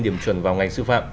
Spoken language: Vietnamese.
điểm chuẩn vào ngành sư phạm